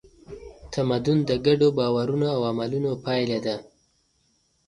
تمدن د ګډو باورونو او عملونو پایله ده.